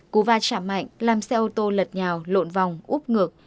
cú va chạm mạnh làm xe ô tô lật nhào lộn vòng úp ngực